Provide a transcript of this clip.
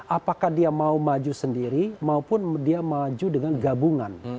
apakah dia mau maju sendiri maupun dia maju dengan gabungan